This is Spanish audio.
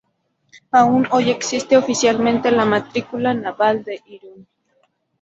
Aún hoy existe oficialmente la matrícula naval de Irún.